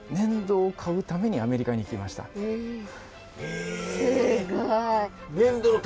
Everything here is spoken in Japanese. えすごい。